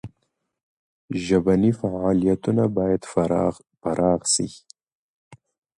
ژبني فعالیتونه باید پراخ سي.